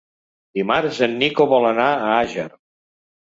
Dimarts en Nico vol anar a Àger.